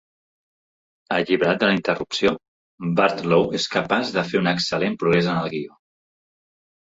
Alliberat de la interrupció, Bartlow és capaç de fer un excel·lent progrés en el guió.